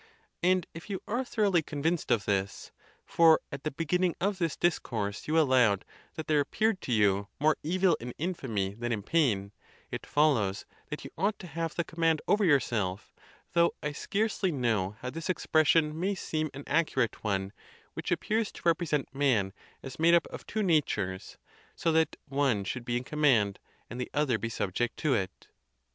And if you are thor oughly convinced of this (for, at the beginning of this dis course, you allowed that there appeared to you more evil in infamy than in pain), it follows that you ought to have the command over yourself, though I scarcely know how this expression may seem an accurate one, which appears to represent man as made up of two natures, so that one should be in command and the other be subject to it.